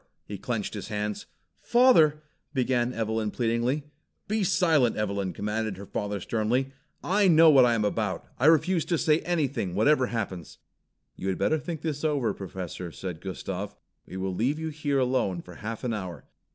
He clenched his hands. "Father " began Evelyn pleadingly. "Be silent, Evelyn!" commanded her father sternly. "I know what I am about! I refuse to say anything, whatever happens." "You had better think this over, Professor," said Gustav. "We will leave you here alone for half an hour.